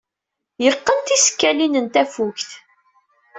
Yeqqen tisekkadin n tafukt.